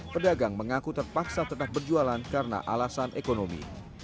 pedagang mengaku terpaksa tetap berjualan karena alasan ekonomi